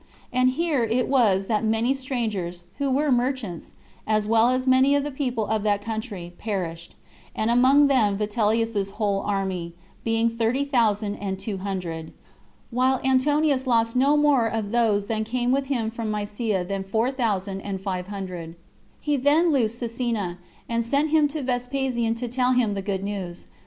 And here it was that many strangers, who were merchants, as well as many of the people of that country, perished, and among them Vitellius's whole army, being thirty thousand and two hundred, while Antonius lost no more of those that came with him from Mysia than four thousand and five hundred: he then loosed Cecinna, and sent him to Vespasian to tell him the good news.